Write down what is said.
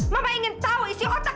mama ingin tahu isi otak